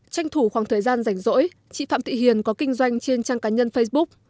tranh thủ khoảng thời gian rảnh rỗi chị phạm thị hiền có kinh doanh trên trang cá nhân facebook